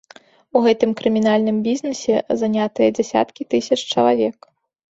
У гэтым крымінальным бізнэсе занятыя дзясяткі тысяч чалавек.